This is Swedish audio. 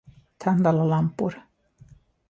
Tänd alla lampor.